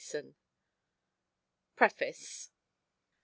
HOAR. PREFACE.